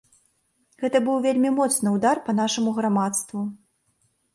Гэта быў вельмі моцны ўдар па нашаму грамадству.